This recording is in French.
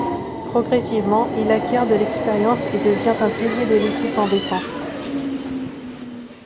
Progressivement, il acquiert de l'expérience et devient un pilier de l'équipe en défense.